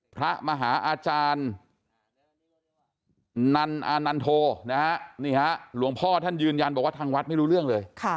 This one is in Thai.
พระมหาอาจารย์นันอานันโทนะฮะนี่ฮะหลวงพ่อท่านยืนยันบอกว่าทางวัดไม่รู้เรื่องเลย